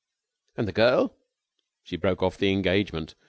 "And the girl?" "She broke off the engagement.